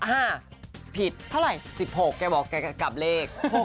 อ่าผิดเท่าไหร่๑๖แกบอกแกกลับเลข๖